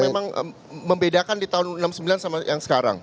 apa yang dibedakan di tahun enam puluh sembilan sama yang sekarang